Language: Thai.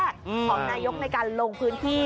ของนายกในการลงพื้นที่